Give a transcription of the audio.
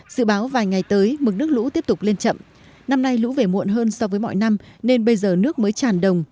dự báo vài ngày tới mực nước lũ tiếp tục lên chậm năm nay lũ về muộn hơn so với mọi năm nên bây giờ nước mới tràn đồng